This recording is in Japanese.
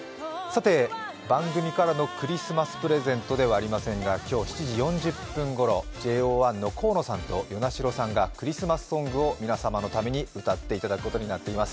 番組からのクリスマスプレゼントではありませんが今日７時４０分ごろＪＯ１の河野さんと與那城さんがクリスマスソングを皆様のために歌っていただくことになっています。